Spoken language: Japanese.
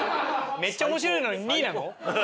めっちゃ面白いのに２位なの？